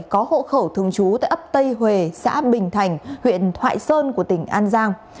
có hộ khẩu thường trú tại ấp tây hùa xã bình thành huyện thoại sơn của tỉnh an giang